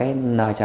mày không xâm phạm